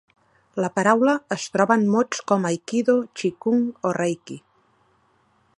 La paraula es troba en mots com aikido, txikung o reiki.